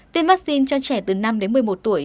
tiêm vaccine cho trẻ từ năm đến một mươi một tuổi